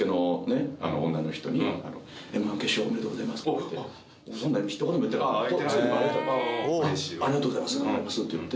ありがとうございます言って。